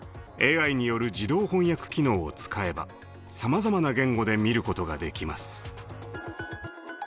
ＡＩによる自動翻訳機能を使えばさまざまな言語で見ることができます。